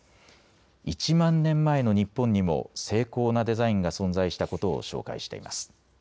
１万年前の日本にも精巧なデザインが存在したことを紹介しています。